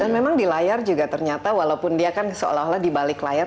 dan memang di layar juga ternyata walaupun dia kan seolah olah di balik layar